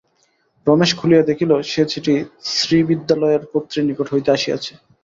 রমেশ খুলিয়া দেখিল, সে চিঠি স্ত্রীবিদ্যালয়ের কর্ত্রীর নিকট হইতে আসিয়াছে।